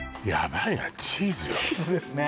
チーズですね